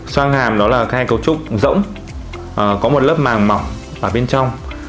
sang hàm đó là hai cấu trúc rỗng có một lớp màng mỏng ở bên trong